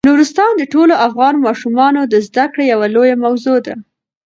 نورستان د ټولو افغان ماشومانو د زده کړې یوه لویه موضوع ده.